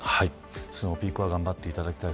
スノーピークは頑張っていただきたい。